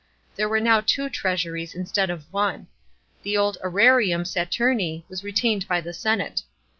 There were now two treasuries instead of one. The old serarium Saturni was retained by the senaoe.